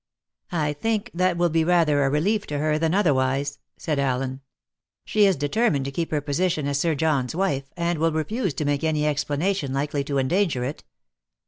"I think that will be rather a relief to her than otherwise," said Allen. "She is determined to keep her position as Sir John's wife, and will refuse to make any explanation likely to endanger it.